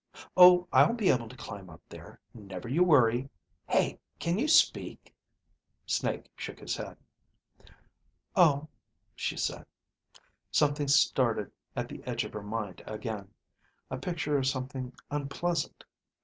"Oh, I'll be able to climb up there, never you worry. Hey, can you speak?" Snake shook his head. "Oh," she said. Something started at the edge of her mind again, a picture of something unpleasant.